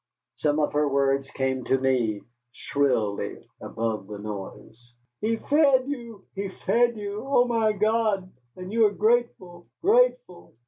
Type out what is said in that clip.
Some of her words came to me, shrilly, above the noise. "He fed you he fed you. Oh, my God, and you are grateful grateful!